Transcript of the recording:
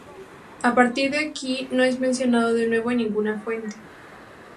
A partir de aquí, no es mencionado de nuevo en ninguna fuente.